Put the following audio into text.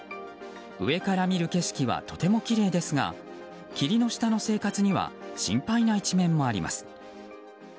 上から見る景色はとてもきれいですが霧の下の生活には心配な一面もあります。